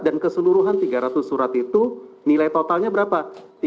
dan keseluruhan tiga ratus surat itu nilai totalnya berapa